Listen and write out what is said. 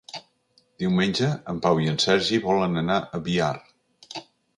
Diumenge en Pau i en Sergi volen anar a Biar.